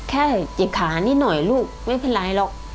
จิกขานิดหน่อยลูกไม่เป็นไรหรอก